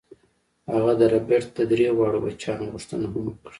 هغه د ربیټ د درې واړو بچیانو غوښتنه هم وکړه